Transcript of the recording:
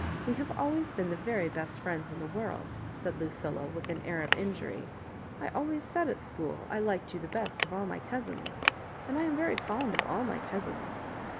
We have always been the very best friends in the world," said Lucilla, with an air of injury. " I always said at school I liked you the best of all my cousins ; and I am very fond of all my cousins."